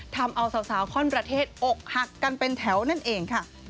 ทำเอาสาวข้อนประเทศอกหักกันเป็นแถวนั่นเองค่ะ